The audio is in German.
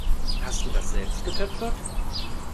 Hast du das selbst getöpfert?